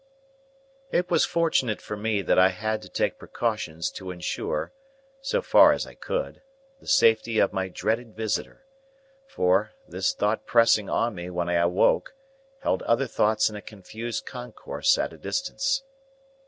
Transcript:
It was fortunate for me that I had to take precautions to ensure (so far as I could) the safety of my dreaded visitor; for, this thought pressing on me when I awoke, held other thoughts in a confused concourse at a distance.